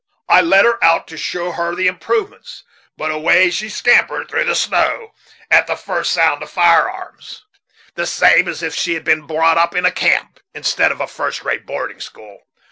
I led her out to show her the improvements, but away she scampered, through the snow, at the first sound of fire arms, the same as if she had been brought up in a camp, instead of a first rate boarding school.